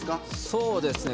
そうですね。